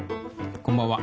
こんばんは。